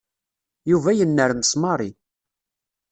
Yuba yennermes Mary.